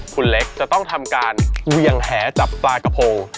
คุณเล็กจะต้องทำการเวียงแหจับปลากระโพง